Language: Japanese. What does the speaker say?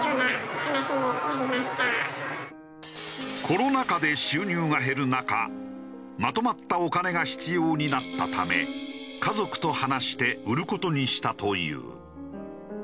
コロナ禍で収入が減る中まとまったお金が必要になったため家族と話して売る事にしたという。